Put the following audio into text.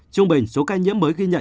trung bình số ca nhiễm mới ghi nhận